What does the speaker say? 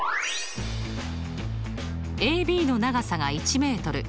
ＡＢの長さが１ｍ。